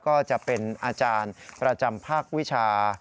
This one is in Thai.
ก็จะเป็นอาจารย์ประจำภาควิชา